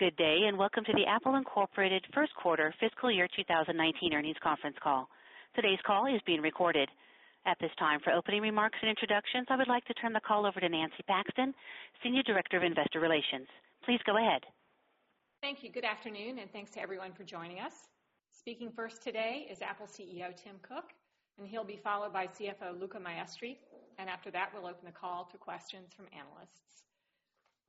Good day. Welcome to the Apple Inc. first quarter fiscal year 2019 earnings conference call. Today's call is being recorded. At this time, for opening remarks and introductions, I would like to turn the call over to Nancy Paxton, Senior Director of Investor Relations. Please go ahead. Thank you. Good afternoon. Thanks to everyone for joining us. Speaking first today is Apple CEO Tim Cook. He'll be followed by CFO Luca Maestri. After that, we'll open the call to questions from analysts.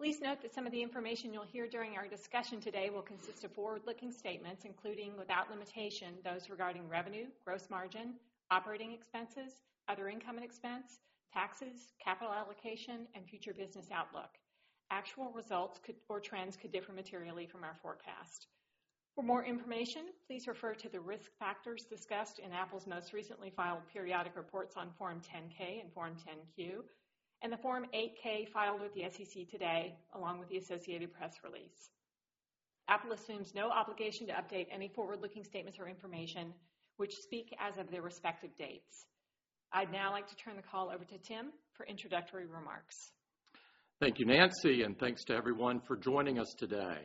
Please note that some of the information you'll hear during our discussion today will consist of forward-looking statements, including, without limitation, those regarding revenue, gross margin, operating expenses, Other Income and Expense, taxes, capital allocation, and future business outlook. Actual results or trends could differ materially from our forecast. For more information, please refer to the risk factors discussed in Apple's most recently filed periodic reports on Form 10-K and Form 10-Q, and the Form 8-K filed with the SEC today, along with the associated press release. Apple assumes no obligation to update any forward-looking statements or information, which speak as of their respective dates. I'd now like to turn the call over to Tim for introductory remarks. Thank you, Nancy. Thanks to everyone for joining us today.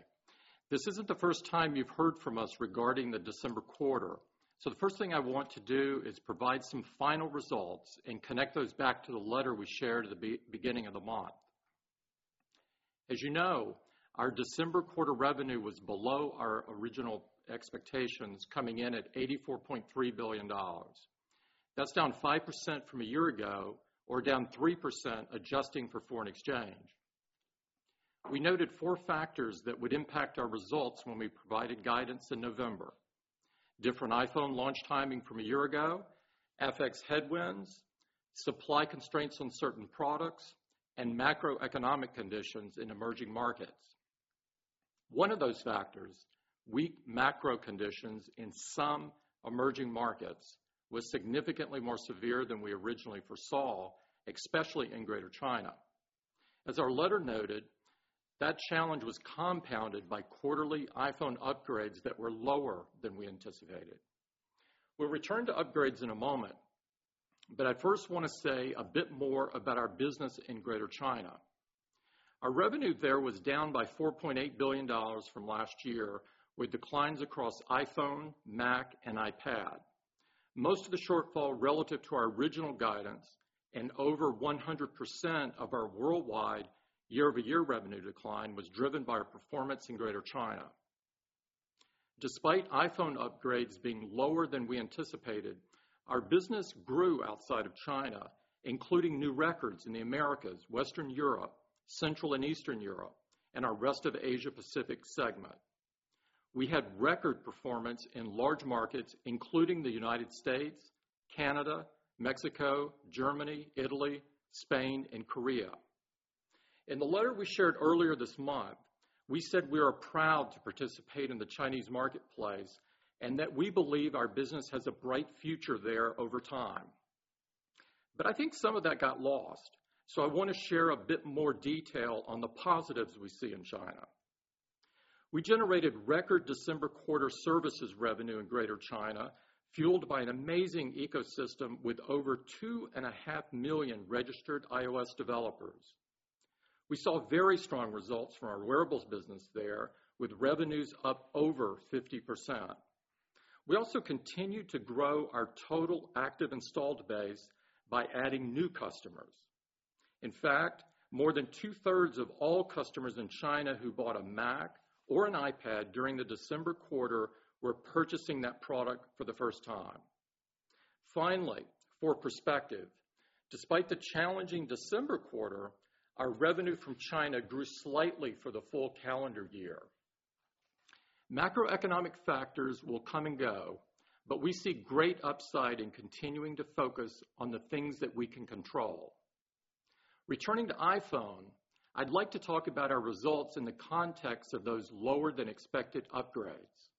This isn't the first time you've heard from us regarding the December quarter. The first thing I want to do is provide some final results and connect those back to the letter we shared at the beginning of the month. As you know, our December quarter revenue was below our original expectations, coming in at $84.3 billion. That's down 5% from a year ago or down 3% adjusting for foreign exchange. We noted four factors that would impact our results when we provided guidance in November: different iPhone launch timing from a year ago, FX headwinds, supply constraints on certain products, and macroeconomic conditions in emerging markets. One of those factors, weak macro conditions in some emerging markets, was significantly more severe than we originally foresaw, especially in Greater China. As our letter noted, that challenge was compounded by quarterly iPhone upgrades that were lower than we anticipated. We'll return to upgrades in a moment, but I first want to say a bit more about our business in Greater China. Our revenue there was down by $4.8 billion from last year, with declines across iPhone, Mac, and iPad. Most of the shortfall relative to our original guidance and over 100% of our worldwide year-over-year revenue decline was driven by our performance in Greater China. Despite iPhone upgrades being lower than we anticipated, our business grew outside of China, including new records in the Americas, Western Europe, Central and Eastern Europe, and our rest of Asia-Pacific segment. We had record performance in large markets, including the United States, Canada, Mexico, Germany, Italy, Spain, and Korea. In the letter we shared earlier this month, we said we are proud to participate in the Chinese marketplace and that we believe our business has a bright future there over time. I think some of that got lost, so I want to share a bit more detail on the positives we see in China. We generated record December quarter services revenue in Greater China, fueled by an amazing ecosystem with over two and a half million registered iOS developers. We saw very strong results from our wearables business there, with revenues up over 50%. We also continued to grow our total active installed base by adding new customers. In fact, more than two-thirds of all customers in China who bought a Mac or an iPad during the December quarter were purchasing that product for the first time. Finally, for perspective, despite the challenging December quarter, our revenue from China grew slightly for the full calendar year. Macroeconomic factors will come and go, but we see great upside in continuing to focus on the things that we can control. Returning to iPhone, I'd like to talk about our results in the context of those lower-than-expected upgrades.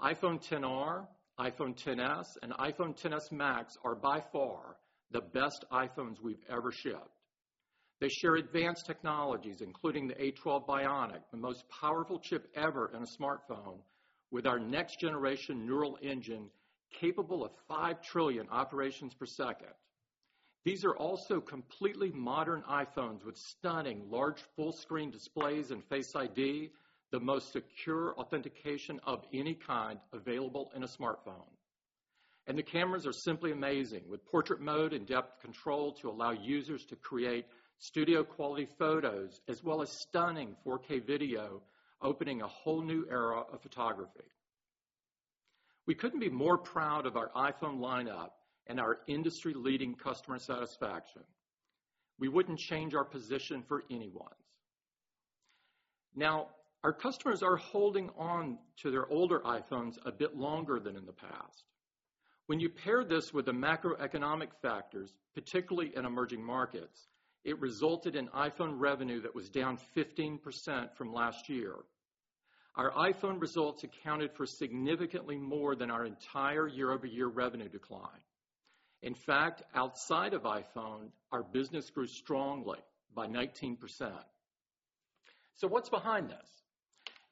iPhone XR, iPhone XS, and iPhone XS Max are by far the best iPhones we've ever shipped. They share advanced technologies, including the A12 Bionic, the most powerful chip ever in a smartphone, with our next-generation neural engine capable of 5 trillion operations per second. These are also completely modern iPhones with stunning large full-screen displays and Face ID, the most secure authentication of any kind available in a smartphone. The cameras are simply amazing, with Portrait mode and depth control to allow users to create studio-quality photos as well as stunning 4K video, opening a whole new era of photography. We couldn't be more proud of our iPhone lineup and our industry-leading customer satisfaction. We wouldn't change our position for anyone's. Now, our customers are holding on to their older iPhones a bit longer than in the past. When you pair this with the macroeconomic factors, particularly in emerging markets, it resulted in iPhone revenue that was down 15% from last year. Our iPhone results accounted for significantly more than our entire year-over-year revenue decline. In fact, outside of iPhone, our business grew strongly by 19%. What's behind this?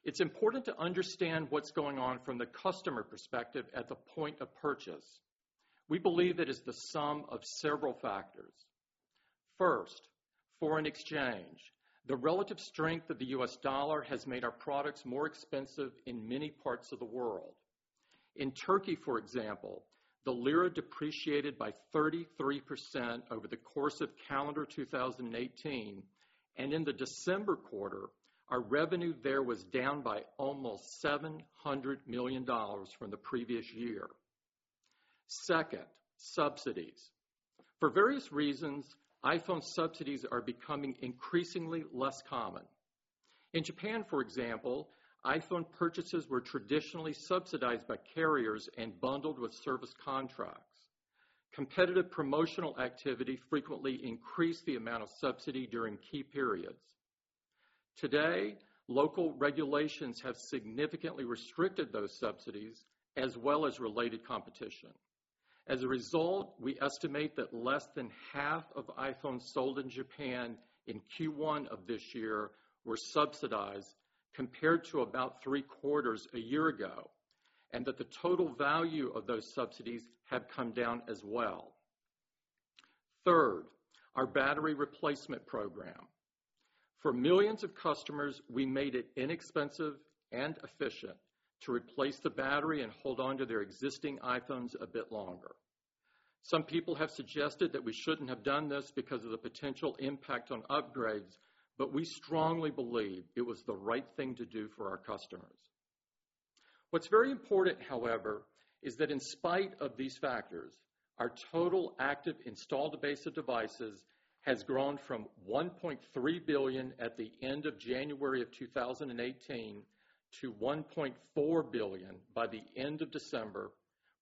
It's important to understand what's going on from the customer perspective at the point of purchase. We believe it is the sum of several factors. First, foreign exchange. The relative strength of the U.S. dollar has made our products more expensive in many parts of the world. In Turkey, for example, the lira depreciated by 33% over the course of calendar 2018, and in the December quarter, our revenue there was down by almost $700 million from the previous year. Second, subsidies. For various reasons, iPhone subsidies are becoming increasingly less common. In Japan, for example, iPhone purchases were traditionally subsidized by carriers and bundled with service contracts. Competitive promotional activity frequently increased the amount of subsidy during key periods. Today, local regulations have significantly restricted those subsidies, as well as related competition. As a result, we estimate that less than half of iPhones sold in Japan in Q1 of this year were subsidized, compared to about three-quarters a year ago, and that the total value of those subsidies have come down as well. Third, our battery replacement program. For millions of customers, we made it inexpensive and efficient to replace the battery and hold on to their existing iPhones a bit longer. Some people have suggested that we shouldn't have done this because of the potential impact on upgrades, but we strongly believe it was the right thing to do for our customers. What's very important, however, is that in spite of these factors, our total active installed base of devices has grown from 1.3 billion at the end of January of 2018 to 1.4 billion by the end of December,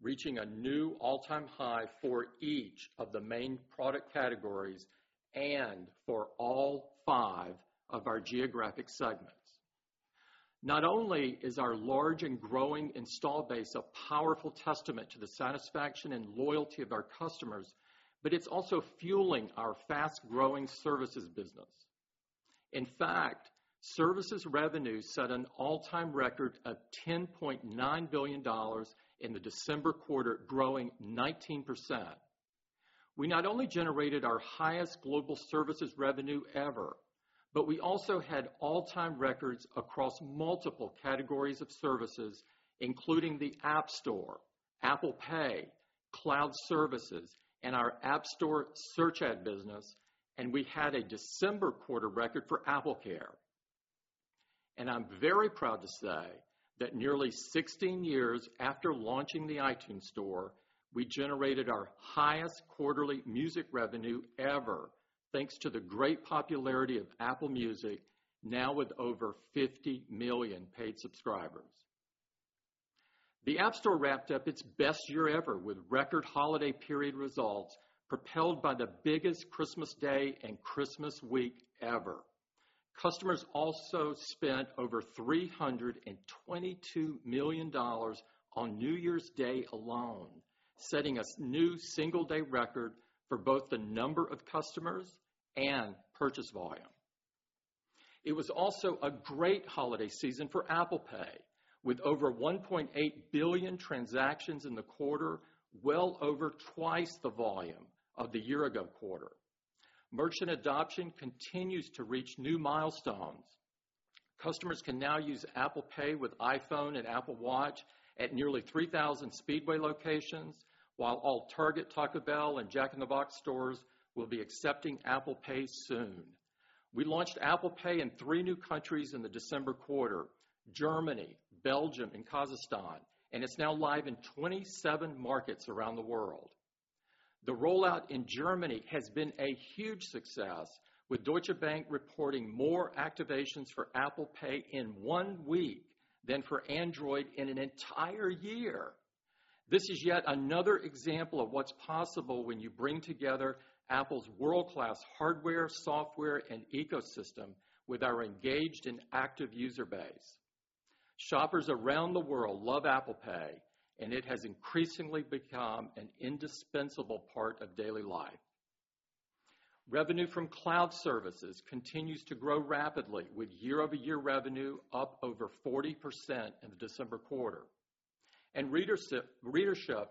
reaching a new all-time high for each of the main product categories and for all five of our geographic segments. Not only is our large and growing install base a powerful testament to the satisfaction and loyalty of our customers, but it's also fueling our fast-growing services business. Services revenue set an all-time record of $10.9 billion in the December quarter, growing 19%. We not only generated our highest global services revenue ever, but we also had all-time records across multiple categories of services, including the App Store, Apple Pay, cloud services, and our App Store search ad business, and we had a December quarter record for AppleCare. I'm very proud to say that nearly 16 years after launching the iTunes Store, we generated our highest quarterly music revenue ever, thanks to the great popularity of Apple Music, now with over 50 million paid subscribers. The App Store wrapped up its best year ever with record holiday period results propelled by the biggest Christmas Day and Christmas week ever. Customers also spent over $322 million on New Year's Day alone, setting a new single-day record for both the number of customers and purchase volume. It was also a great holiday season for Apple Pay, with over 1.8 billion transactions in the quarter, well over twice the volume of the year-ago quarter. Merchant adoption continues to reach new milestones. Customers can now use Apple Pay with iPhone and Apple Watch at nearly 3,000 Speedway locations, while all Target, Taco Bell, and Jack in the Box stores will be accepting Apple Pay soon. We launched Apple Pay in three new countries in the December quarter, Germany, Belgium, and Kazakhstan, and it's now live in 27 markets around the world. The rollout in Germany has been a huge success, with Deutsche Bank reporting more activations for Apple Pay in one week than for Android in an entire year. This is yet another example of what's possible when you bring together Apple's world-class hardware, software, and ecosystem with our engaged and active user base. Shoppers around the world love Apple Pay, and it has increasingly become an indispensable part of daily life. Revenue from cloud services continues to grow rapidly, with year-over-year revenue up over 40% in the December quarter. Readership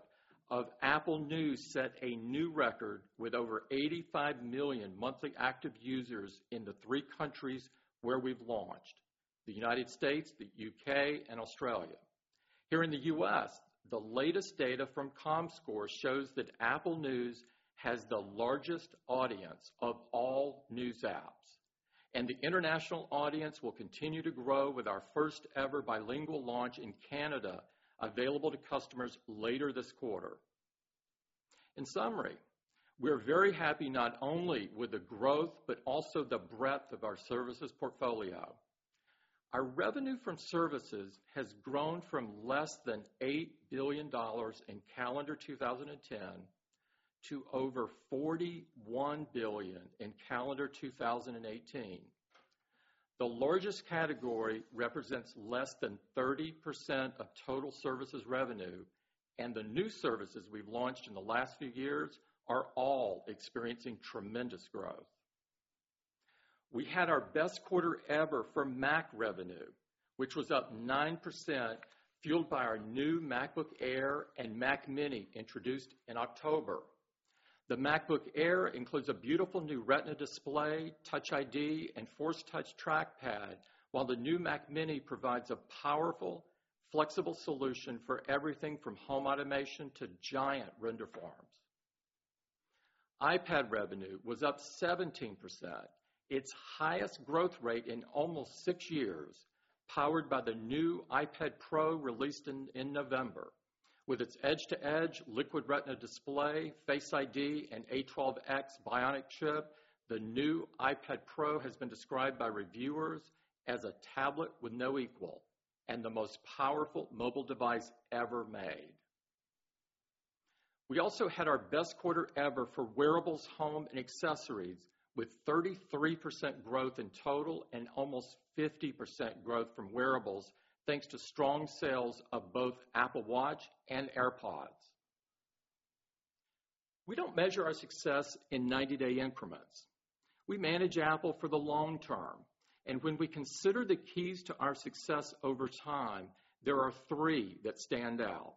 of Apple News set a new record with over 85 million monthly active users in the three countries where we've launched, the U.S., the U.K., and Australia. Here in the U.S., the latest data from Comscore shows that Apple News has the largest audience of all news apps, and the international audience will continue to grow with our first-ever bilingual launch in Canada, available to customers later this quarter. In summary, we're very happy not only with the growth but also the breadth of our services portfolio. Our revenue from services has grown from less than $8 billion in calendar 2010 to over $41 billion in calendar 2018. The largest category represents less than 30% of total services revenue, and the new services we've launched in the last few years are all experiencing tremendous growth. We had our best quarter ever for Mac revenue, which was up 9%, fueled by our new MacBook Air and Mac mini introduced in October. The MacBook Air includes a beautiful new Retina display, Touch ID, and Force Touch trackpad, while the new Mac mini provides a powerful, flexible solution for everything from home automation to giant render farms. iPad revenue was up 17%, its highest growth rate in almost six years, powered by the new iPad Pro released in November. With its edge-to-edge Liquid Retina display, Face ID, and A12X Bionic chip, the new iPad Pro has been described by reviewers as a tablet with no equal and the most powerful mobile device ever made. We also had our best quarter ever for wearables, home, and accessories, with 33% growth in total and almost 50% growth from wearables, thanks to strong sales of both Apple Watch and AirPods. We don't measure our success in 90-day increments. We manage Apple for the long term, and when we consider the keys to our success over time, there are three that stand out.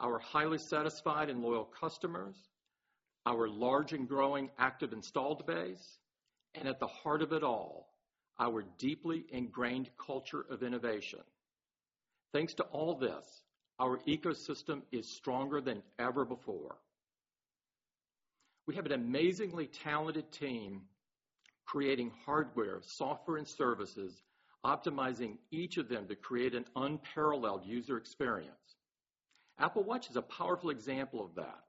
Our highly satisfied and loyal customers, our large and growing active installed base, and at the heart of it all, our deeply ingrained culture of innovation. Thanks to all this, our ecosystem is stronger than ever before. We have an amazingly talented team creating hardware, software, and services, optimizing each of them to create an unparalleled user experience. Apple Watch is a powerful example of that.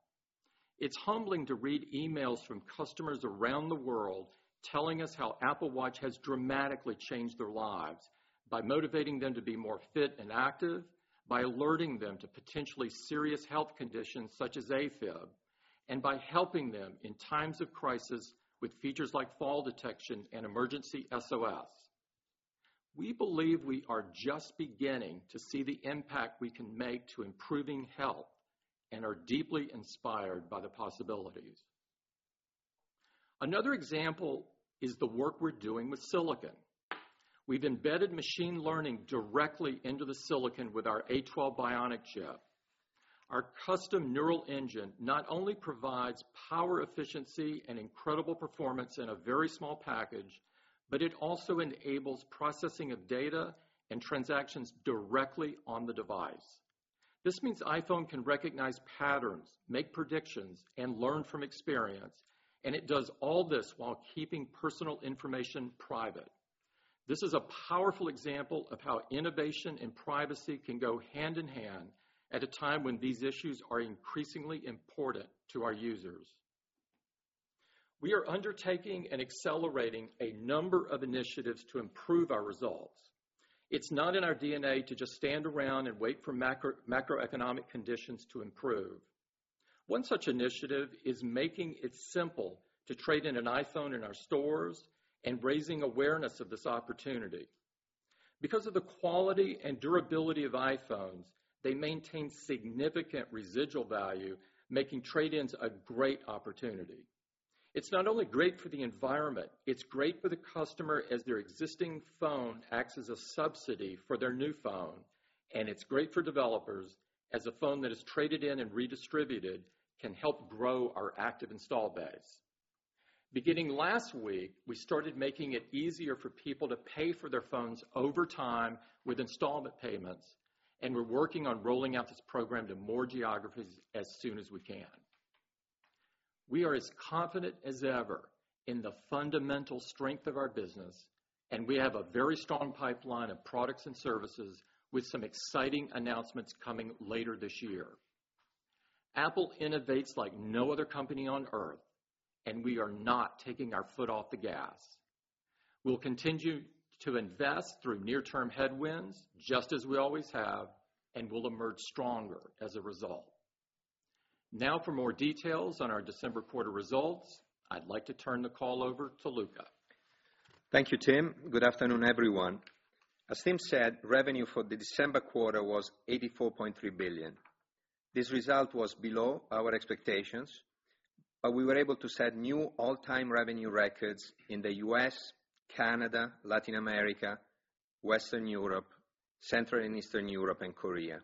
It's humbling to read emails from customers around the world telling us how Apple Watch has dramatically changed their lives by motivating them to be more fit and active, by alerting them to potentially serious health conditions such as AFib, and by helping them in times of crisis with features like Fall Detection and Emergency SOS. We believe we are just beginning to see the impact we can make to improving health and are deeply inspired by the possibilities. Another example is the work we're doing with silicon. We've embedded machine learning directly into the silicon with our A12 Bionic chip. Our custom neural engine not only provides power efficiency and incredible performance in a very small package, but it also enables processing of data and transactions directly on the device. This means iPhone can recognize patterns, make predictions, and learn from experience, and it does all this while keeping personal information private. This is a powerful example of how innovation and privacy can go hand-in-hand at a time when these issues are increasingly important to our users. We are undertaking and accelerating a number of initiatives to improve our results. It's not in our DNA to just stand around and wait for macroeconomic conditions to improve. One such initiative is making it simple to trade in an iPhone in our stores and raising awareness of this opportunity. Because of the quality and durability of iPhones, they maintain significant residual value, making trade-ins a great opportunity. It's not only great for the environment, it's great for the customer as their existing phone acts as a subsidy for their new phone, and it's great for developers, as a phone that is traded in and redistributed can help grow our active install base. Beginning last week, we started making it easier for people to pay for their phones over time with installment payments, and we're working on rolling out this program to more geographies as soon as we can. We are as confident as ever in the fundamental strength of our business, and we have a very strong pipeline of products and services with some exciting announcements coming later this year. Apple innovates like no other company on Earth, and we are not taking our foot off the gas. We'll continue to invest through near-term headwinds, just as we always have, and we'll emerge stronger as a result. Now for more details on our December quarter results, I'd like to turn the call over to Luca. Thank you, Tim. Good afternoon, everyone. As Tim said, revenue for the December quarter was $84.3 billion. This result was below our expectations, but we were able to set new all-time revenue records in the U.S., Canada, Latin America, Western Europe, Central and Eastern Europe, and Korea.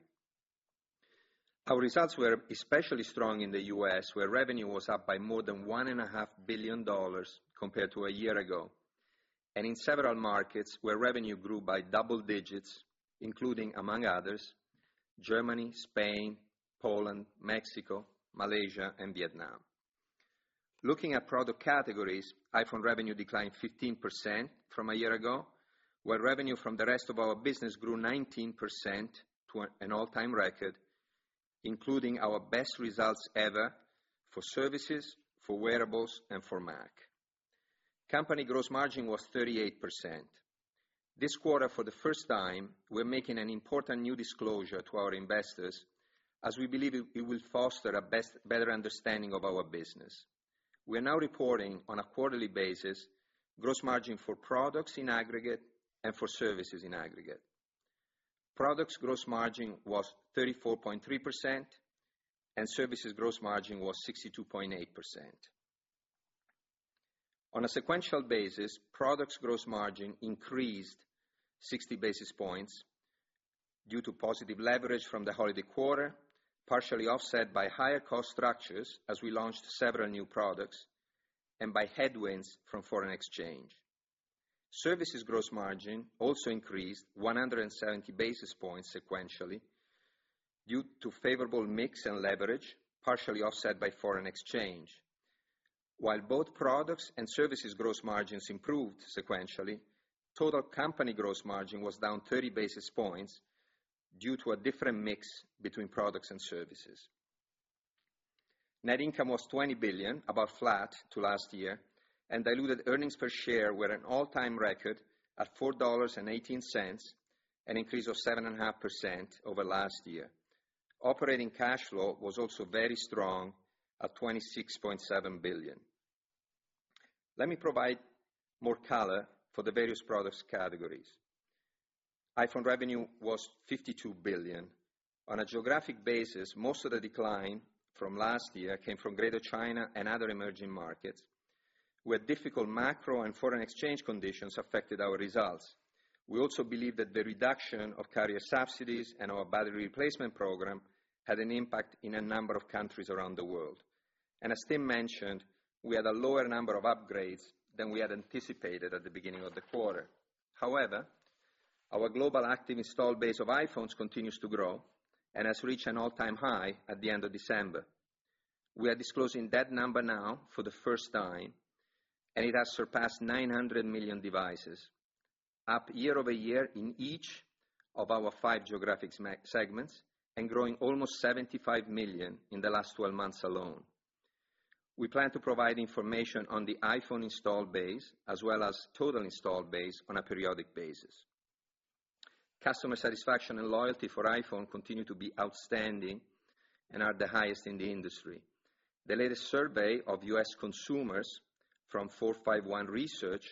Our results were especially strong in the U.S., where revenue was up by more than one and a half billion dollars compared to a year ago. In several markets where revenue grew by double digits, including among others, Germany, Spain, Poland, Mexico, Malaysia, and Vietnam. Looking at product categories, iPhone revenue declined 15% from a year ago, while revenue from the rest of our business grew 19% to an all-time record, including our best results ever for services, for wearables, and for Mac. Company gross margin was 38%. This quarter, for the first time, we're making an important new disclosure to our investors as we believe it will foster a better understanding of our business. We are now reporting on a quarterly basis gross margin for products in aggregate and for services in aggregate. Products gross margin was 34.3%, and services gross margin was 62.8%. On a sequential basis, products gross margin increased 60 basis points due to positive leverage from the holiday quarter, partially offset by higher cost structures as we launched several new products, and by headwinds from foreign exchange. Services gross margin also increased 170 basis points sequentially due to favorable mix and leverage, partially offset by foreign exchange. While both products and services gross margins improved sequentially, total company gross margin was down 30 basis points due to a different mix between products and services. Net income was $20 billion, about flat to last year, and diluted earnings per share were an all-time record at $4.18, an increase of 7.5% over last year. Operating cash flow was also very strong at $26.7 billion. Let me provide more color for the various products categories. iPhone revenue was $52 billion. On a geographic basis, most of the decline from last year came from Greater China and other emerging markets, where difficult macro and foreign exchange conditions affected our results. We also believe that the reduction of carrier subsidies and our battery replacement program had an impact in a number of countries around the world. As Tim mentioned, we had a lower number of upgrades than we had anticipated at the beginning of the quarter. However, our global active installed base of iPhones continues to grow and has reached an all-time high at the end of December. We are disclosing that number now for the first time, it has surpassed 900 million devices, up year-over-year in each of our five geographic segments and growing almost 75 million in the last 12 months alone. We plan to provide information on the iPhone install base as well as total install base on a periodic basis. Customer satisfaction and loyalty for iPhone continue to be outstanding and are the highest in the industry. The latest survey of U.S. consumers from 451 Research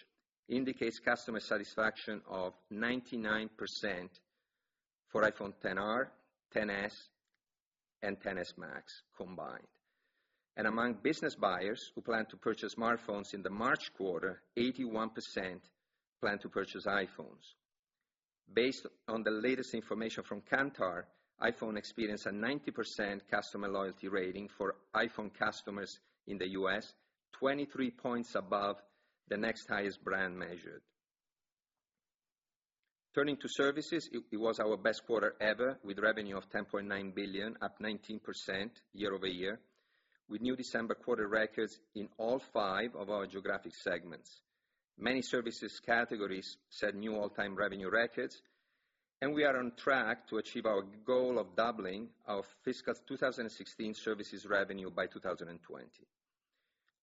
indicates customer satisfaction of 99% for iPhone XR, XS, and XS Max combined. Among business buyers who plan to purchase smartphones in the March quarter, 81% plan to purchase iPhones. Based on the latest information from Kantar, iPhone experienced a 90% customer loyalty rating for iPhone customers in the U.S., 23 points above the next highest brand measured. Turning to services, it was our best quarter ever with revenue of $10.9 billion, up 19% year-over-year with new December quarter records in all five of our geographic segments. Many services categories set new all-time revenue records, and we are on track to achieve our goal of doubling our fiscal 2016 services revenue by 2020.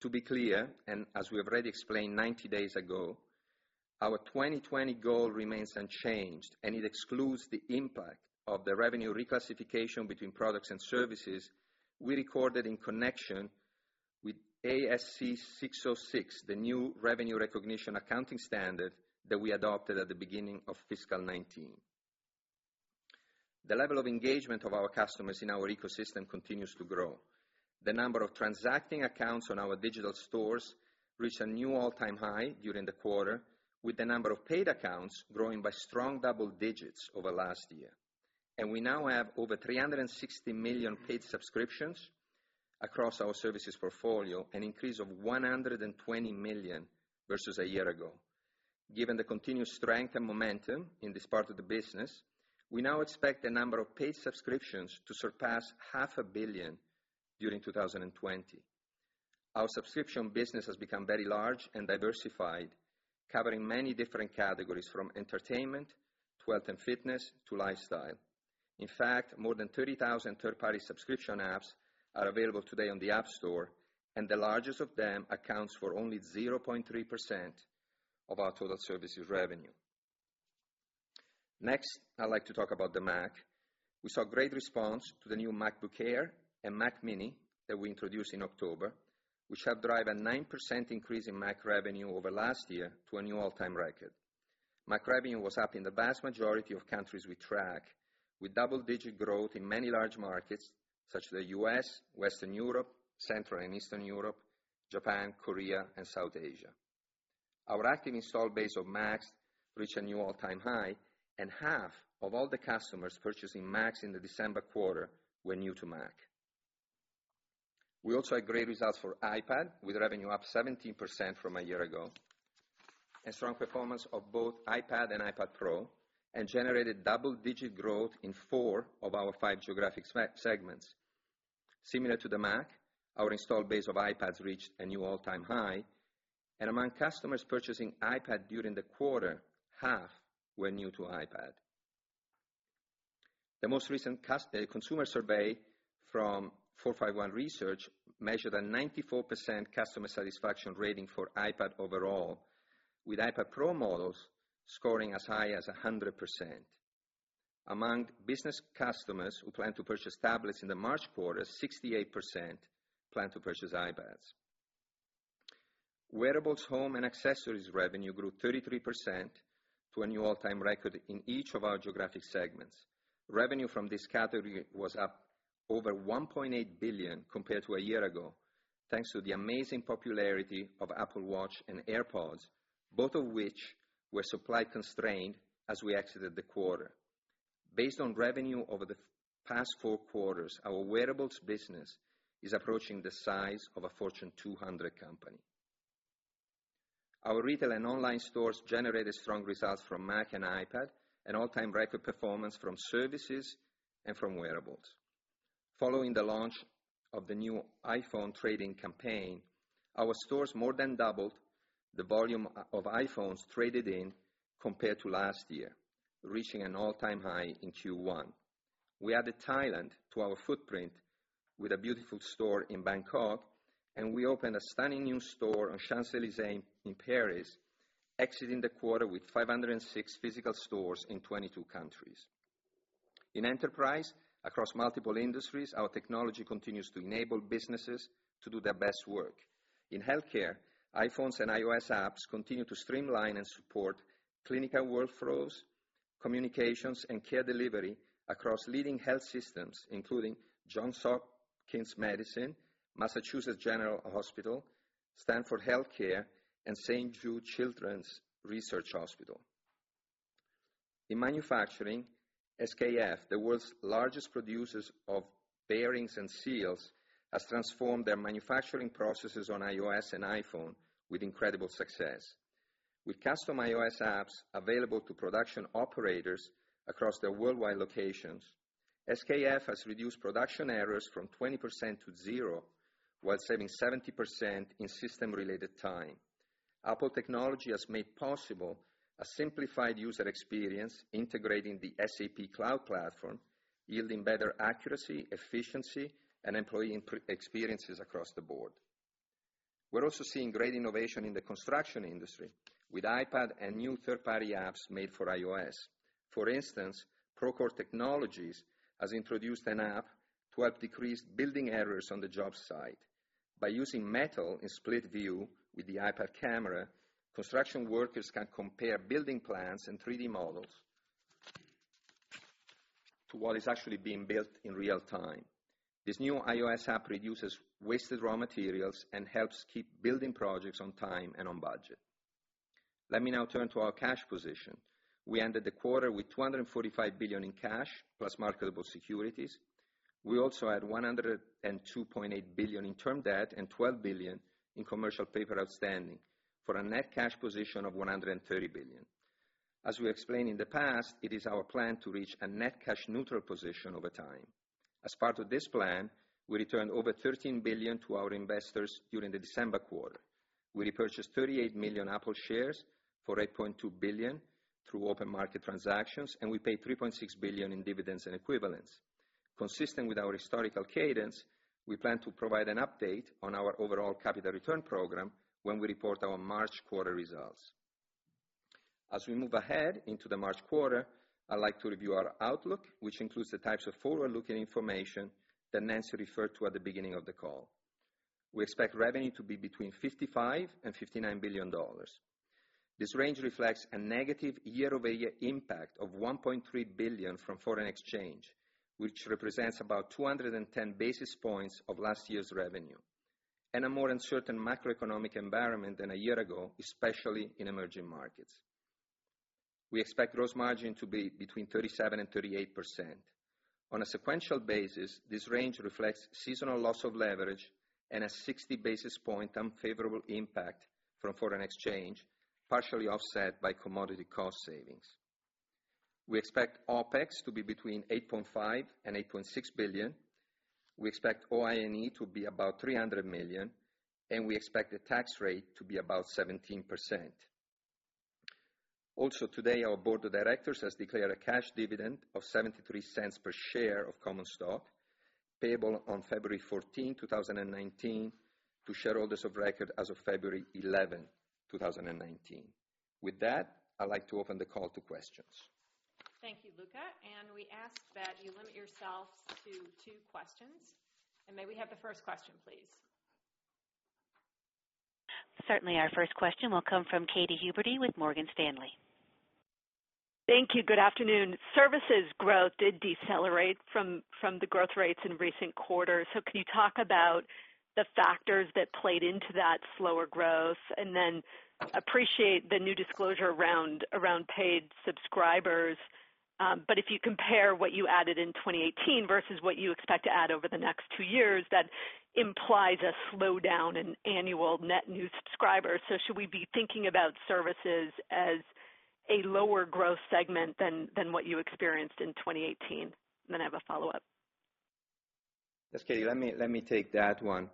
To be clear, as we have already explained 90 days ago, our 2020 goal remains unchanged, and it excludes the impact of the revenue reclassification between products and services we recorded in connection with ASC 606, the new revenue recognition accounting standard that we adopted at the beginning of fiscal 2019. The level of engagement of our customers in our ecosystem continues to grow. The number of transacting accounts on our digital stores reached a new all-time high during the quarter with the number of paid accounts growing by strong double digits over last year. We now have over $360 million paid subscriptions across our services portfolio, an increase of 120 million versus a year ago. Given the continued strength and momentum in this part of the business, we now expect the number of paid subscriptions to surpass half a billion during 2020. Our subscription business has become very large and diversified, covering many different categories from entertainment to health and fitness to lifestyle. In fact, more than 30,000 third-party subscription apps are available today on the App Store, and the largest of them accounts for only 0.3% of our total services revenue. Next, I'd like to talk about the Mac. We saw great response to the new MacBook Air and Mac mini that we introduced in October, which helped drive a 9% increase in Mac revenue over last year to a new all-time record. Mac revenue was up in the vast majority of countries we track with double-digit growth in many large markets such as the U.S., Western Europe, Central and Eastern Europe, Japan, Korea, and South Asia. Our active installed base of Macs reached a new all-time high, and half of all the customers purchasing Macs in the December quarter were new to Mac. We also had great results for iPad with revenue up 17% from a year ago, and strong performance of both iPad and iPad Pro, and generated double-digit growth in four of our five geographic segments. Similar to the Mac, our installed base of iPads reached a new all-time high, and among customers purchasing iPad during the quarter, half were new to iPad. The most recent consumer survey from 451 Research measured a 94% customer satisfaction rating for iPad overall, with iPad Pro models scoring as high as 100%. Among business customers who plan to purchase tablets in the March quarter, 68% plan to purchase iPads. Wearables, home, and accessories revenue grew 33% to a new all-time record in each of our geographic segments. Revenue from this category was up over $1.8 billion compared to a year ago, thanks to the amazing popularity of Apple Watch and AirPods, both of which were supply-constrained as we exited the quarter. Based on revenue over the past four quarters, our wearables business is approaching the size of a Fortune 200 company. Our retail and online stores generated strong results from Mac and iPad, an all-time record performance from services and from wearables. Following the launch of the new iPhone trading campaign, our stores more than doubled the volume of iPhones traded in compared to last year, reaching an all-time high in Q1. We added Thailand to our footprint with a beautiful store in Bangkok, and we opened a stunning new store on Champs-Élysées in Paris, exiting the quarter with 506 physical stores in 22 countries. In enterprise, across multiple industries, our technology continues to enable businesses to do their best work. In healthcare, iPhones and iOS apps continue to streamline and support clinical workflows, communications, and care delivery across leading health systems, including Johns Hopkins Medicine, Massachusetts General Hospital, Stanford Health Care, and St. Jude Children's Research Hospital. In manufacturing, SKF, the world's largest producers of bearings and seals, has transformed their manufacturing processes on iOS and iPhone with incredible success. With custom iOS apps available to production operators across their worldwide locations, SKF has reduced production errors from 20% to zero while saving 70% in system-related time. Apple technology has made possible a simplified user experience integrating the SAP Cloud Platform, yielding better accuracy, efficiency, and employee experiences across the board. We're also seeing great innovation in the construction industry with iPad and new third-party apps made for iOS. For instance, Procore Technologies has introduced an app to help decrease building errors on the job site. By using Metal in split view with the iPad camera, construction workers can compare building plans and 3D models to what is actually being built in real time. This new iOS app reduces wasted raw materials and helps keep building projects on time and on budget. Let me now turn to our cash position. We ended the quarter with $245 billion in cash plus marketable securities. We also had $102.8 billion in term debt and $12 billion in commercial paper outstanding for a net cash position of $130 billion. As we explained in the past, it is our plan to reach a net cash neutral position over time. As part of this plan, we returned over $13 billion to our investors during the December quarter. We repurchased 38 million Apple shares for $8.2 billion through open market transactions, and we paid $3.6 billion in dividends and equivalents. Consistent with our historical cadence, we plan to provide an update on our overall capital return program when we report our March quarter results. As we move ahead into the March quarter, I'd like to review our outlook, which includes the types of forward-looking information that Nancy referred to at the beginning of the call. We expect revenue to be between $55 billion and $59 billion. This range reflects a negative year-over-year impact of $1.3 billion from foreign exchange, which represents about 210 basis points of last year's revenue, a more uncertain macroeconomic environment than a year ago, especially in emerging markets. We expect gross margin to be between 37% and 38%. On a sequential basis, this range reflects seasonal loss of leverage and a 60-basis-point unfavorable impact from foreign exchange, partially offset by commodity cost savings. We expect OPEX to be between $8.5 billion and $8.6 billion. We expect OI&E to be about $300 million, and we expect the tax rate to be about 17%. Today, our board of directors has declared a cash dividend of $0.73 per share of common stock, payable on February 14, 2019, to shareholders of record as of February 11, 2019. With that, I'd like to open the call to questions. Thank you, Luca, we ask that you limit yourselves to two questions. May we have the first question, please? Certainly. Our first question will come from Katy Huberty with Morgan Stanley. Thank you. Good afternoon. Services growth did decelerate from the growth rates in recent quarters. Can you talk about the factors that played into that slower growth? Then appreciate the new disclosure around paid subscribers. If you compare what you added in 2018 versus what you expect to add over the next two years, that implies a slowdown in annual net new subscribers. Should we be thinking about services as a lower growth segment than what you experienced in 2018? Then I have a follow-up. Yes, Katy, let me take that one.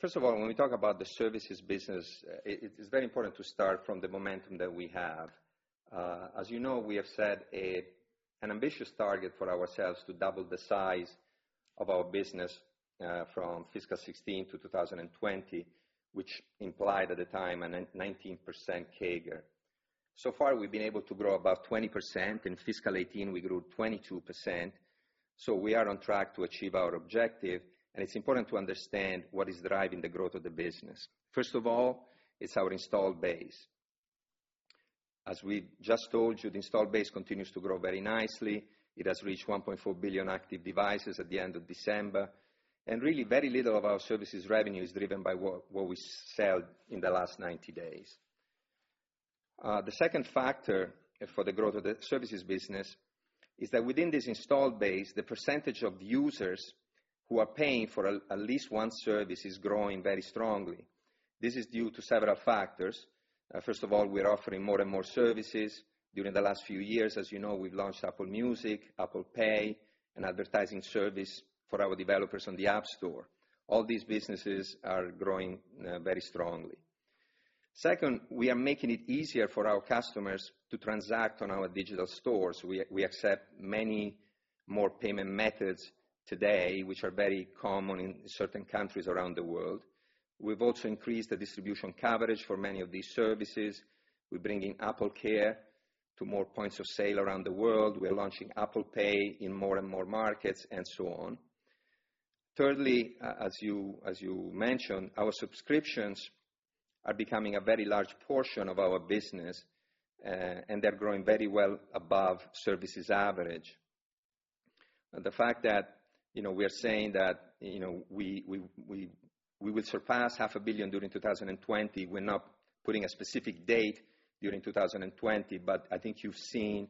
First of all, when we talk about the services business, it is very important to start from the momentum that we have. As you know, we have set an ambitious target for ourselves to double the size of our business from fiscal 2016 to 2020, which implied at the time a 19% CAGR. So far, we've been able to grow about 20%. In fiscal 2018, we grew 22%. We are on track to achieve our objective, it's important to understand what is driving the growth of the business. First of all, it's our installed base. As we just told you, the installed base continues to grow very nicely. It has reached 1.4 billion active devices at the end of December, really very little of our services revenue is driven by what we sell in the last 90 days. The second factor for the growth of the services business is that within this installed base, the percentage of users who are paying for at least one service is growing very strongly. This is due to several factors. First of all, we're offering more and more services. During the last few years, as you know, we've launched Apple Music, Apple Pay, an advertising service for our developers on the App Store. All these businesses are growing very strongly. Second, we are making it easier for our customers to transact on our digital stores. We accept many more payment methods today, which are very common in certain countries around the world. We've also increased the distribution coverage for many of these services. We're bringing AppleCare to more points of sale around the world. We are launching Apple Pay in more and more markets and so on. Thirdly, as you mentioned, our subscriptions are becoming a very large portion of our business, and they're growing very well above services average. The fact that we are saying that we will surpass half a billion during 2020, we're not putting a specific date during 2020, but I think you've seen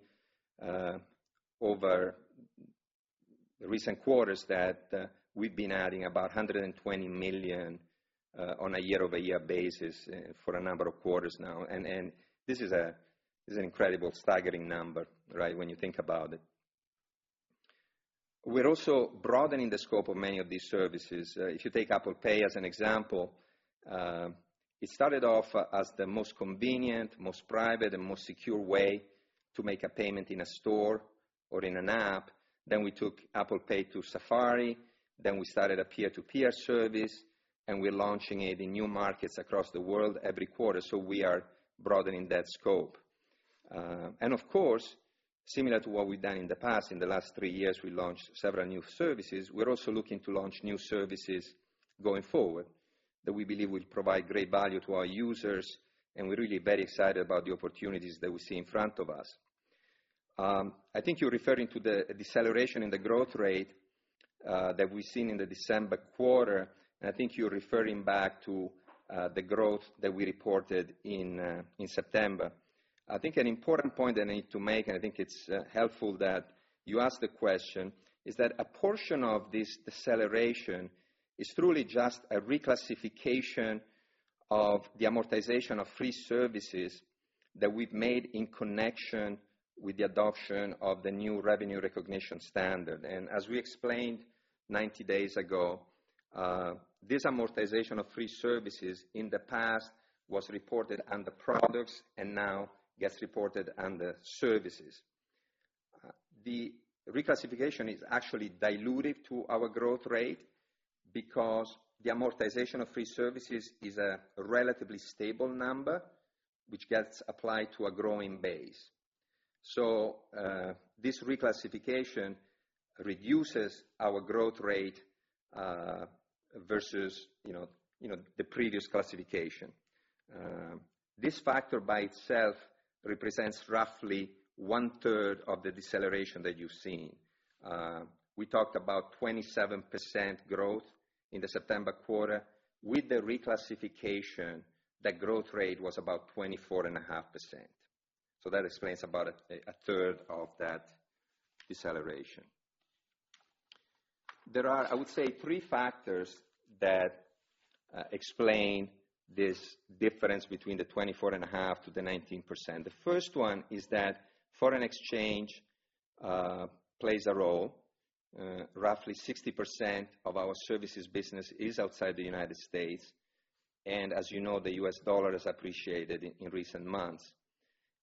over recent quarters that we've been adding about 120 million on a year-over-year basis for a number of quarters now. This is an incredible, staggering number when you think about it. We're also broadening the scope of many of these services. If you take Apple Pay as an example, it started off as the most convenient, most private, and most secure way to make a payment in a store or in an app. We took Apple Pay to Safari. We started a peer-to-peer service, and we're launching it in new markets across the world every quarter. We are broadening that scope. Of course, similar to what we've done in the past, in the last three years, we launched several new services. We're also looking to launch new services going forward that we believe will provide great value to our users, and we're really very excited about the opportunities that we see in front of us. I think you're referring to the deceleration in the growth rate that we've seen in the December quarter, and I think you're referring back to the growth that we reported in September. I think an important point I need to make, and I think it's helpful that you asked the question, is that a portion of this deceleration is truly just a reclassification of the amortization of free services that we've made in connection with the adoption of the new revenue recognition standard. As we explained 90 days ago, this amortization of free services in the past was reported under products and now gets reported under services. The reclassification is actually dilutive to our growth rate because the amortization of free services is a relatively stable number, which gets applied to a growing base. This reclassification reduces our growth rate versus the previous classification. This factor by itself represents roughly one-third of the deceleration that you've seen. We talked about 27% growth in the September quarter. With the reclassification, that growth rate was about 24.5%. That explains about a third of that deceleration. There are, I would say, three factors that explain this difference between the 24.5% to the 19%. The first one is that foreign exchange plays a role. Roughly 60% of our services business is outside the U.S., as you know, the U.S. dollar has appreciated in recent months.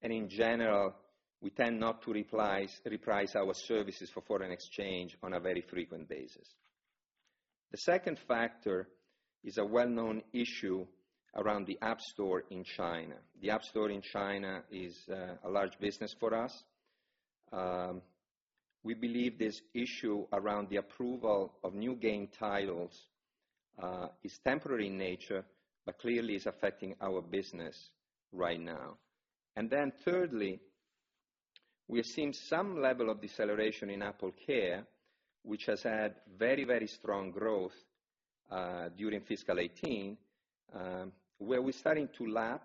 In general, we tend not to reprice our services for foreign exchange on a very frequent basis. The second factor is a well-known issue around the App Store in China. The App Store in China is a large business for us. We believe this issue around the approval of new game titles is temporary in nature, but clearly it's affecting our business right now. Thirdly, we are seeing some level of deceleration in AppleCare, which has had very strong growth during fiscal 2018, where we're starting to lap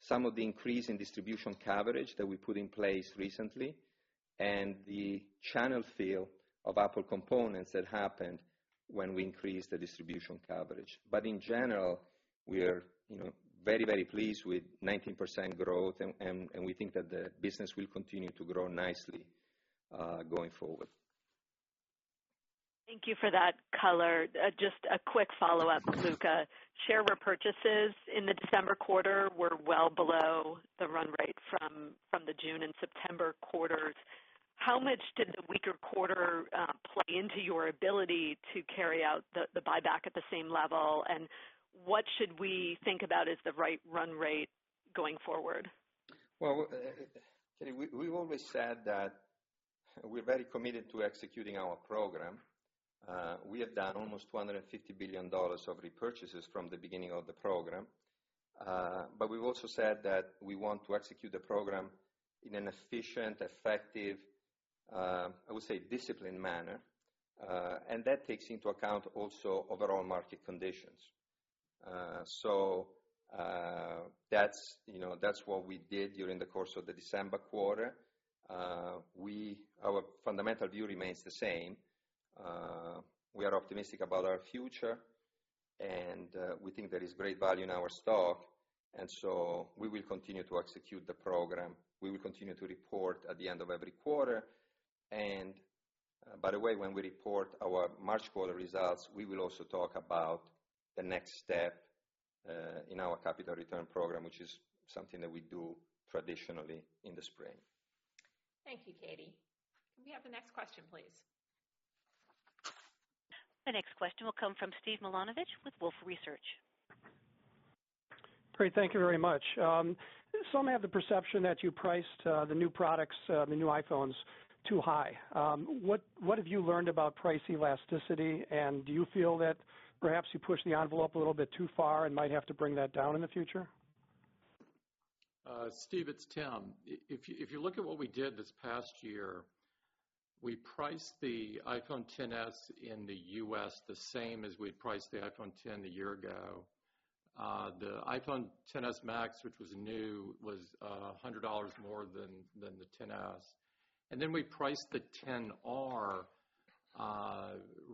some of the increase in distribution coverage that we put in place recently and the channel fill of Apple components that happened when we increased the distribution coverage. In general, we are very pleased with 19% growth, and we think that the business will continue to grow nicely going forward. Thank you for that color. Just a quick follow-up, Luca. Share repurchases in the December quarter were well below the run rate from the June and September quarters. How much did the weaker quarter play into your ability to carry out the buyback at the same level, and what should we think about as the right run rate going forward? Well, Katy, we've always said that we're very committed to executing our program. We have done almost $250 billion of repurchases from the beginning of the program. We've also said that we want to execute the program in an efficient, effective, I would say disciplined manner. That takes into account also overall market conditions. That's what we did during the course of the December quarter. Our fundamental view remains the same. We are optimistic about our future, and we think there is great value in our stock, we will continue to execute the program. We will continue to report at the end of every quarter. By the way, when we report our March quarter results, we will also talk about the next step in our capital return program, which is something that we do traditionally in the spring. Thank you, Katy. Can we have the next question, please? The next question will come from Steve Milunovich with Wolfe Research. Great. Thank you very much. Some have the perception that you priced the new products, the new iPhones, too high. What have you learned about price elasticity, and do you feel that perhaps you pushed the envelope a little bit too far and might have to bring that down in the future? Steve, it's Tim. If you look at what we did this past year, we priced the iPhone XS in the U.S. the same as we'd priced the iPhone X a year ago. The iPhone XS Max, which was new, was $100 more than the XS. We priced the XR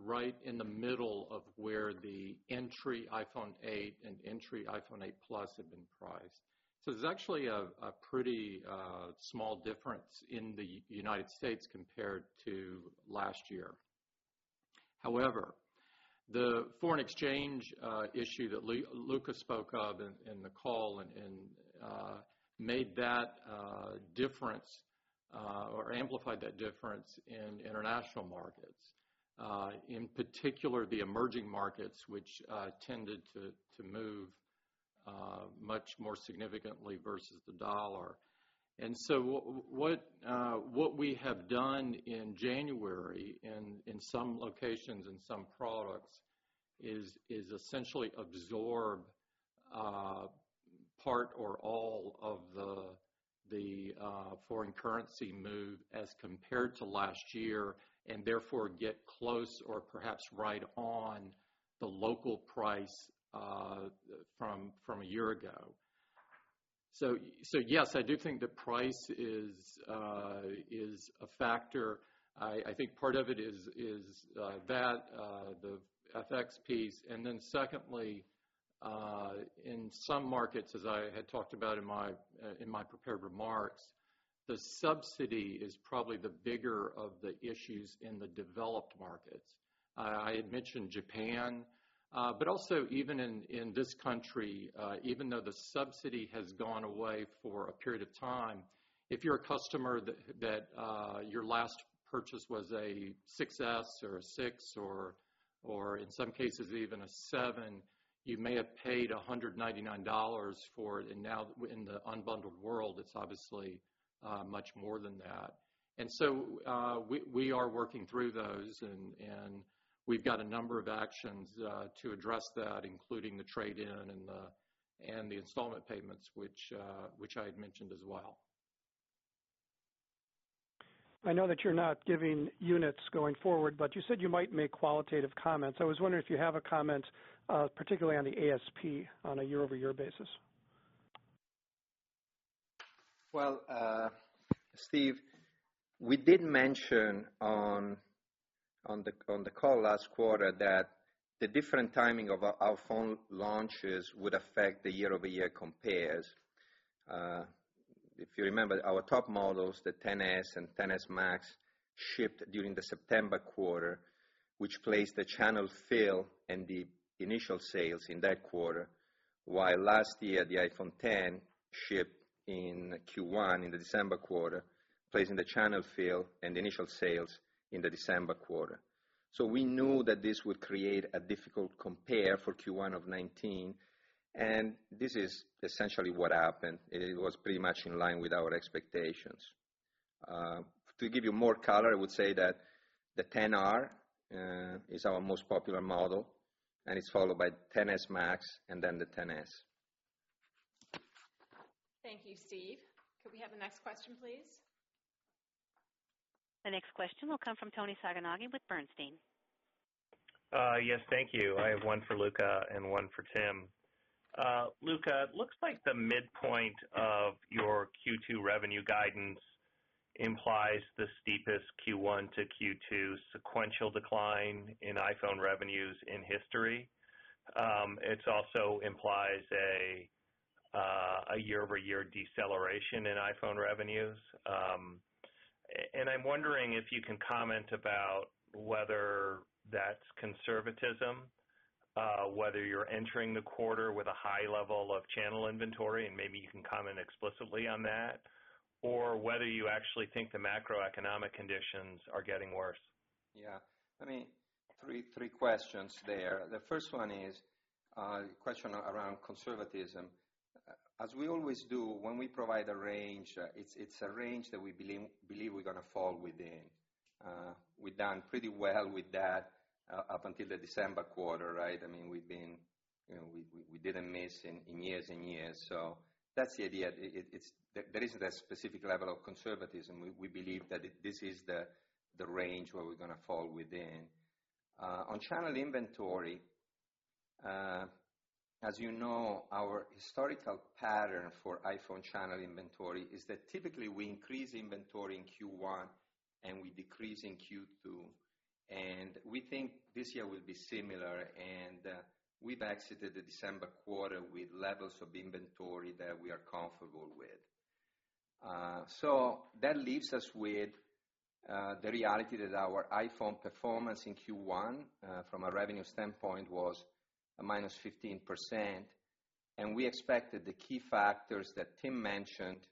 right in the middle of where the entry iPhone 8 and entry iPhone 8 Plus had been priced. It's actually a pretty small difference in the United States compared to last year. However, the foreign exchange issue that Luca spoke of in the call made that difference or amplified that difference in international markets. In particular, the emerging markets, which tended to move much more significantly versus the dollar. what we have done in January in some locations and some products is essentially absorb part or all of the foreign currency move as compared to last year, and therefore get close or perhaps right on the local price from a year ago. Yes, I do think the price is a factor. I think part of it is that, the FX piece, and then secondly, in some markets, as I had talked about in my prepared remarks, the subsidy is probably the bigger of the issues in the developed markets. I had mentioned Japan, but also even in this country, even though the subsidy has gone away for a period of time, if you're a customer that your last purchase was a 6S or a 6 or in some cases even a 7, you may have paid $199 for it, and now in the unbundled world, it's obviously much more than that. We are working through those, and we've got a number of actions to address that, including the trade-in and the installment payments, which I had mentioned as well. I know that you're not giving units going forward, but you said you might make qualitative comments. I was wondering if you have a comment, particularly on the ASP, on a year-over-year basis. Well, Steve, we did mention on the call last quarter that the different timing of our phone launches would affect the year-over-year compares. If you remember, our top models, the XS and XS Max, shipped during the September quarter, which placed the channel fill and the initial sales in that quarter, while last year, the iPhone X shipped in Q1 in the December quarter, placing the channel fill and the initial sales in the December quarter. We knew that this would create a difficult compare for Q1 of 2019, and this is essentially what happened. It was pretty much in line with our expectations. To give you more color, I would say that the XR is our most popular model, and it's followed by the XS Max and then the XS. Thank you, Steve. Could we have the next question, please? The next question will come from Toni Sacconaghi with Bernstein. Yes. Thank you. I have one for Luca and one for Tim. Luca, it looks like the midpoint of your Q2 revenue guidance implies the steepest Q1 to Q2 sequential decline in iPhone revenues in history. It also implies a year-over-year deceleration in iPhone revenues. I'm wondering if you can comment about whether that's conservatism, whether you're entering the quarter with a high level of channel inventory, and maybe you can comment explicitly on that, or whether you actually think the macroeconomic conditions are getting worse. Yeah. Three questions there. The first one is a question around conservatism. As we always do when we provide a range, it's a range that we believe we're going to fall within. We've done pretty well with that up until the December quarter, right? We didn't miss in years and years. That's the idea. There is that specific level of conservatism. We believe that this is the range where we're going to fall within. On channel inventory, as you know, our historical pattern for iPhone channel inventory is that typically we increase inventory in Q1 and we decrease in Q2, and we think this year will be similar, and we've exited the December quarter with levels of inventory that we are comfortable with. That leaves us with the reality that our iPhone performance in Q1, from a revenue standpoint, was -15%, and we expect that the key factors that Tim mentioned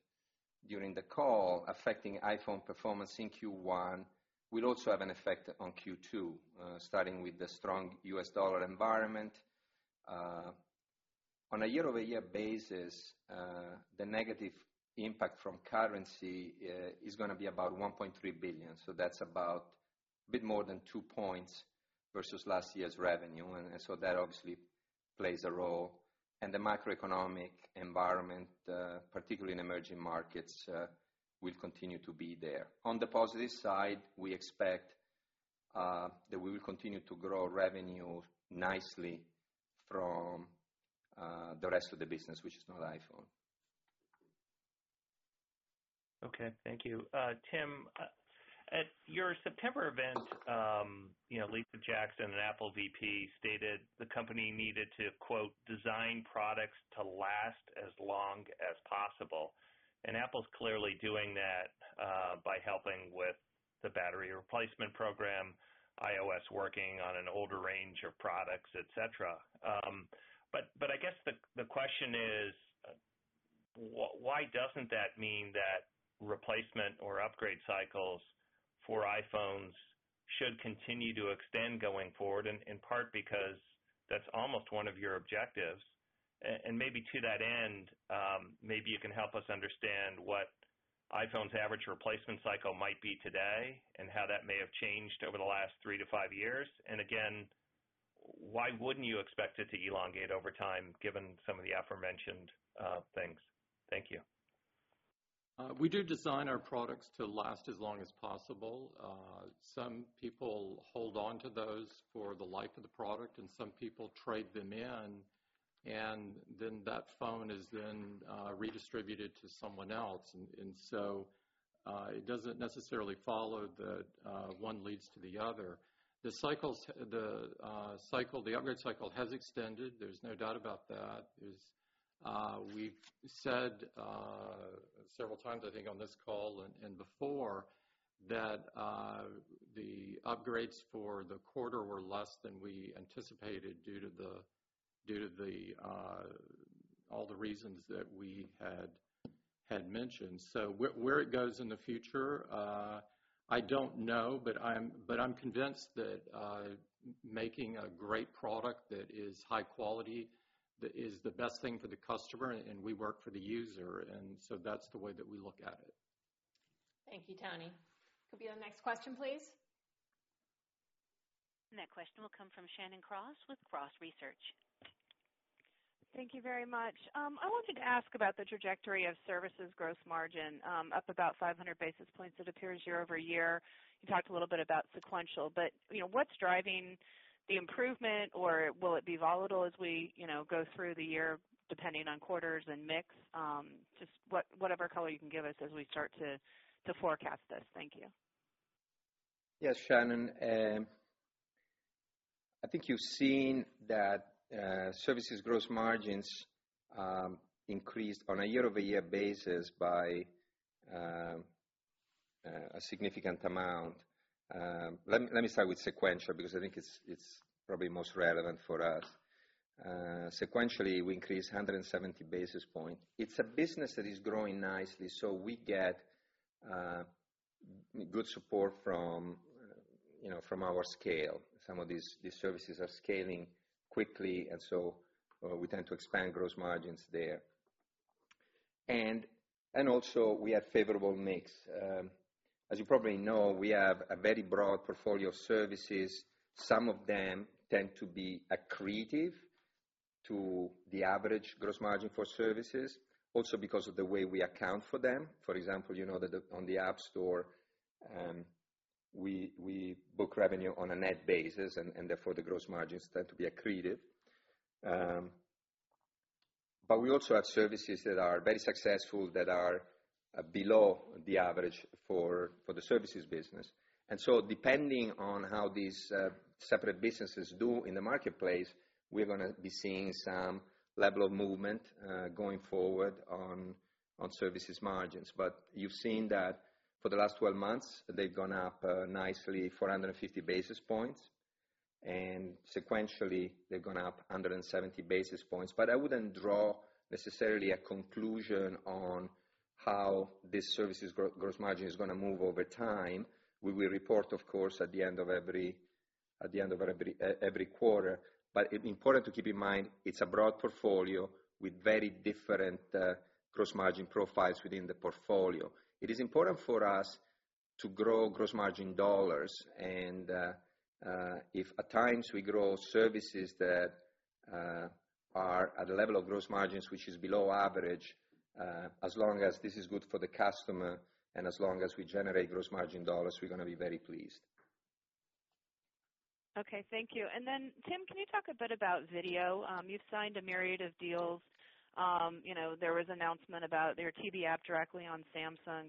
during the call affecting iPhone performance in Q1 will also have an effect on Q2, starting with the strong U.S. dollar environment. On a year-over-year basis, the negative impact from currency is going to be about $1.3 billion. That's about a bit more than 2 points versus last year's revenue, and that obviously plays a role. The macroeconomic environment, particularly in emerging markets, will continue to be there. On the positive side, we expect that we will continue to grow revenue nicely from the rest of the business, which is not iPhone. Okay. Thank you. Tim, at your September event, Lisa Jackson, an Apple VP, stated the company needed to, "Design products to last as long as possible." Apple's clearly doing that by helping with the battery replacement program, iOS working on an older range of products, et cetera. I guess the question is, why doesn't that mean that replacement or upgrade cycles for iPhones should continue to extend going forward, in part because that's almost one of your objectives. Maybe to that end, maybe you can help us understand what iPhone's average replacement cycle might be today, and how that may have changed over the last 3 to 5 years. Again, why wouldn't you expect it to elongate over time given some of the aforementioned things? Thank you. We do design our products to last as long as possible. Some people hold onto those for the life of the product, and some people trade them in, and that phone is then redistributed to someone else. It doesn't necessarily follow that one leads to the other. The upgrade cycle has extended. There's no doubt about that. We've said several times, I think, on this call and before, that the upgrades for the quarter were less than we anticipated due to all the reasons that we had mentioned. Where it goes in the future, I don't know, but I'm convinced that making a great product that is high quality is the best thing for the customer, and we work for the user. That's the way that we look at it. Thank you, Toni. Could we have the next question, please? That question will come from Shannon Cross with Cross Research. Thank you very much. I wanted to ask about the trajectory of services gross margin up about 500 basis points it appears year-over-year. What's driving the improvement or will it be volatile as we go through the year depending on quarters and mix? Just whatever color you can give us as we start to forecast this. Thank you. Yes, Shannon. I think you've seen that services gross margins increased on a year-over-year basis by a significant amount. Let me start with sequential because I think it's probably most relevant for us. Sequentially, we increased 170 basis points. It's a business that is growing nicely, so we get good support from our scale. Some of these services are scaling quickly, and so we tend to expand gross margins there. Also we have favorable mix. As you probably know, we have a very broad portfolio of services. Some of them tend to be accretive to the average gross margin for services, also because of the way we account for them. For example, you know that on the App Store, we book revenue on a net basis, and therefore, the gross margins tend to be accretive. We also have services that are very successful that are below the average for the services business. Depending on how these separate businesses do in the marketplace, we're going to be seeing some level of movement going forward on services margins. You've seen that for the last 12 months, they've gone up nicely 450 basis points. Sequentially, they've gone up 170 basis points. I wouldn't draw necessarily a conclusion on how this services gross margin is going to move over time. We will report, of course, at the end of every quarter. It's important to keep in mind, it's a broad portfolio with very different gross margin profiles within the portfolio. It is important for us to grow gross margin dollars. If at times we grow services that are at a level of gross margins which is below average, as long as this is good for the customer, and as long as we generate gross margin dollars, we're going to be very pleased. Okay, thank you. Tim, can you talk a bit about video? You've signed a myriad of deals. There was announcement about their TV app directly on Samsung.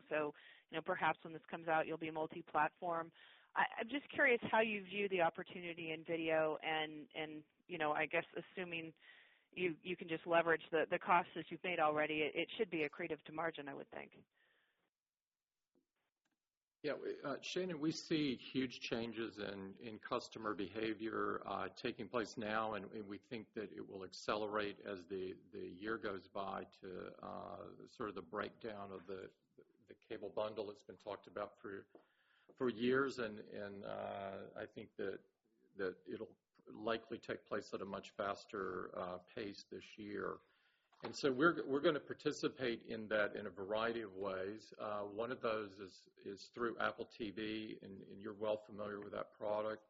Perhaps when this comes out, you'll be multi-platform. I'm just curious how you view the opportunity in video and, I guess assuming you can just leverage the cost that you've made already, it should be accretive to margin, I would think. Yeah. Shannon, we see huge changes in customer behavior taking place now, we think that it will accelerate as the year goes by to sort of the breakdown of the cable bundle that's been talked about for years, I think that it'll likely take place at a much faster pace this year. We're going to participate in that in a variety of ways. One of those is through Apple TV, you're well familiar with that product.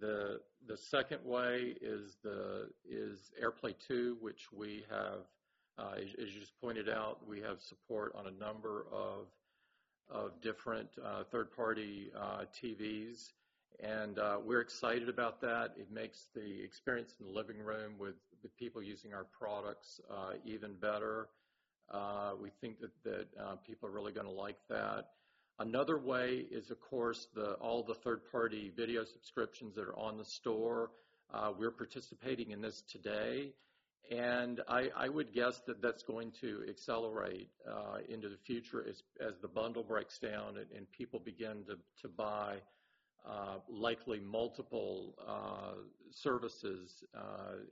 The second way is AirPlay 2, which we have, as you just pointed out, we have support on a number of different third-party TVs. We're excited about that. It makes the experience in the living room with the people using our products even better. We think that people are really going to like that. Another way is, of course, all the third-party video subscriptions that are on the store. We're participating in this today. I would guess that that's going to accelerate into the future as the bundle breaks down and people begin to buy likely multiple services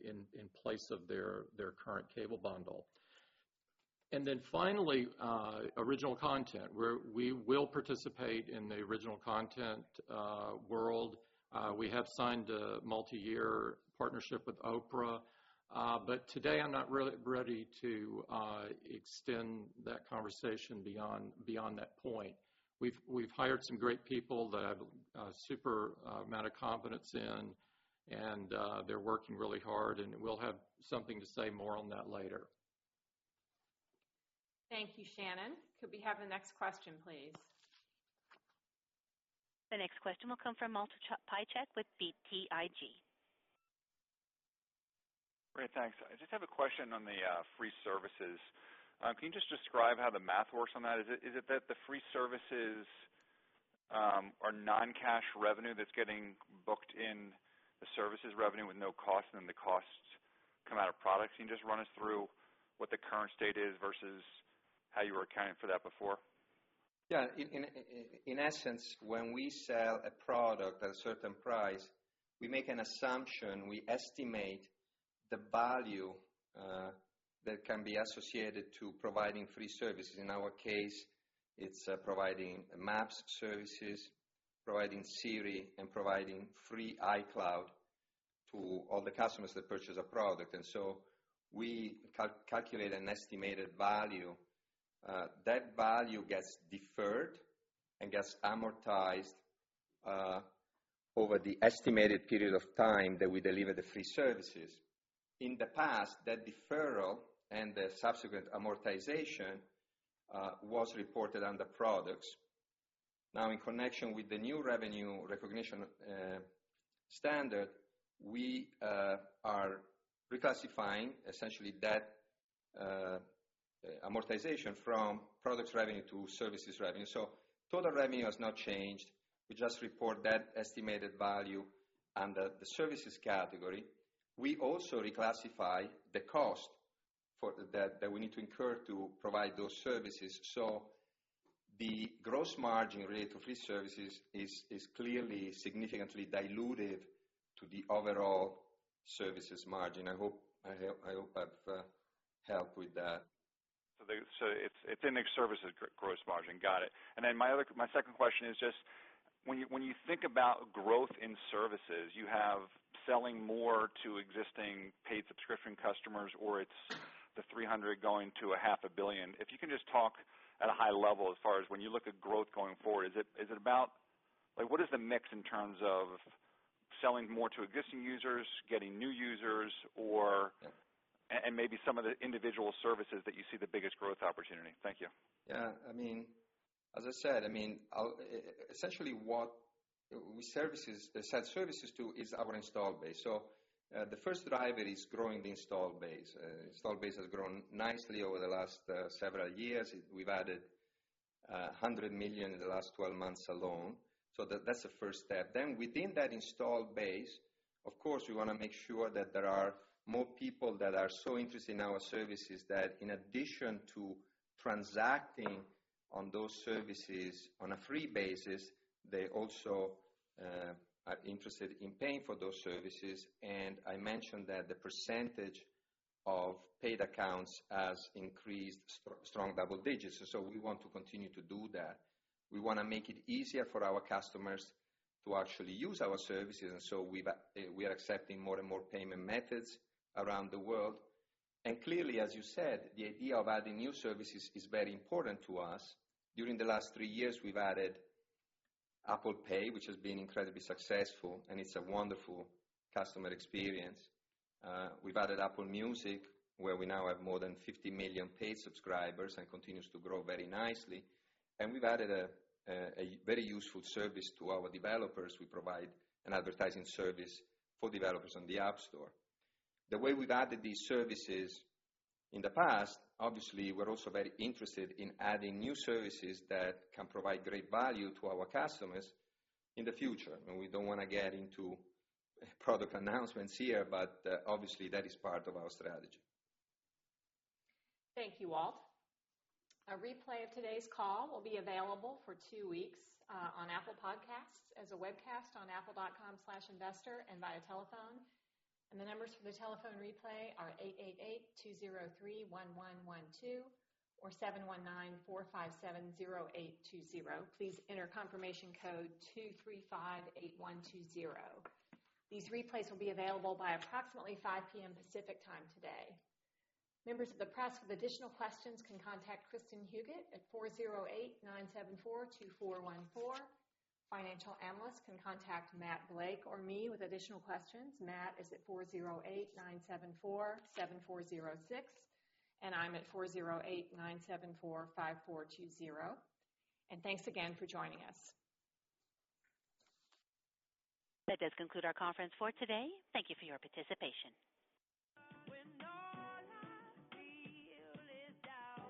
in place of their current cable bundle. Finally, original content, where we will participate in the original content world. We have signed a multi-year partnership with Oprah. Today, I'm not really ready to extend that conversation beyond that point. We've hired some great people that have a super amount of confidence in, they're working really hard, we'll have something to say more on that later. Thank you, Shannon. Could we have the next question, please? The next question will come from Walter Piecyk with BTIG. Great. Thanks. I just have a question on the free services. Can you just describe how the math works on that? Is it that the free services are non-cash revenue that's getting booked in the services revenue with no cost, and then the costs come out of products? Can you just run us through what the current state is versus how you were accounting for that before? Yeah. In essence, when we sell a product at a certain price, we make an assumption. We estimate the value that can be associated to providing free services. In our case, it's providing maps services, providing Siri, and providing free iCloud to all the customers that purchase a product. We calculate an estimated value. That value gets deferred and gets amortized over the estimated period of time that we deliver the free services. In the past, that deferral and the subsequent amortization was reported under products. Now, in connection with the new revenue recognition standard, we are reclassifying essentially that amortization from products revenue to services revenue. Total revenue has not changed. We just report that estimated value under the services category. We also reclassify the cost that we need to incur to provide those services. The gross margin rate of free services is clearly significantly diluted to the overall services margin. I hope I've helped with that. It's in the services gross margin. Got it. My second question is just, when you think about growth in services, you have selling more to existing paid subscription customers, or it's the 300 going to a half a billion. If you can just talk at a high level as far as when you look at growth going forward, what is the mix in terms of selling more to existing users, getting new users, and maybe some of the individual services that you see the biggest growth opportunity? Thank you. Yeah. As I said, essentially what we sell services to is our installed base. The first driver is growing the installed base. Installed base has grown nicely over the last several years. We've added 100 million in the last 12 months alone. That's the first step. Within that installed base, of course, we want to make sure that there are more people that are so interested in our services that in addition to transacting on those services on a free basis, they also are interested in paying for those services. I mentioned that the percentage of paid accounts has increased strong double digits. We want to continue to do that. We want to make it easier for our customers to actually use our services, we are accepting more and more payment methods around the world. Clearly, as you said, the idea of adding new services is very important to us. During the last 3 years, we've added Apple Pay, which has been incredibly successful, and it's a wonderful customer experience. We've added Apple Music, where we now have more than 50 million paid subscribers and continues to grow very nicely. We've added a very useful service to our developers. We provide an advertising service for developers on the App Store. The way we've added these services in the past, obviously, we're also very interested in adding new services that can provide great value to our customers in the future. We don't want to get into product announcements here, but obviously that is part of our strategy. Thank you, Walt. A replay of today's call will be available for two weeks on Apple Podcasts, as a webcast on apple.com/investor, and via telephone. The numbers for the telephone replay are 888-203-1112 or 719-457-0820. Please enter confirmation code 2358120. These replays will be available by approximately 5:00 P.M. Pacific Time today. Members of the press with additional questions can contact Kristin Huguet at 408-974-2414. Financial analysts can contact Matt Blake or me with additional questions. Matt is at 408-974-7406, and I'm at 408-974-5420. Thanks again for joining us. That does conclude our conference for today. Thank you for your participation.